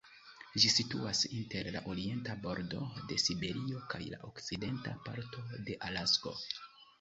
Ĝi situas inter la orienta bordo de Siberio kaj la okcidenta parto de Alasko.